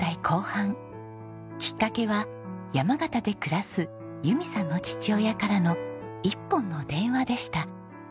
きっかけは山形で暮らす由美さんの父親からの一本の電話でした。